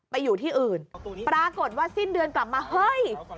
ไปอยู่ที่อื่นปรากฏว่าสิ้นเดือนกลับมาเฮ้ย